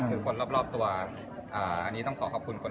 ทุกคนมันก็ต้องมีทั้งคนว่าคนอะไร